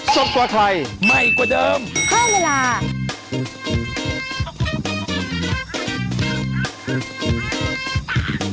สวัสดีค่ะ